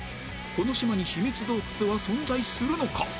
この島に秘密洞窟は存在するのか？